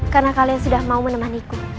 karena kalian sudah mau menemaniku